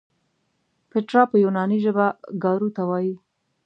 پیترا په یوناني ژبه ګارو ته وایي.